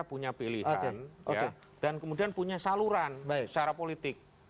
punya pilihan dan kemudian punya saluran secara politik